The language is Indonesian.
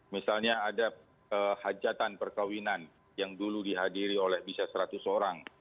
misalnya ada hajatan perkawinan yang dulu dihadiri oleh bisa seratus orang